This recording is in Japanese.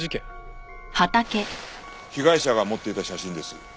被害者が持っていた写真です。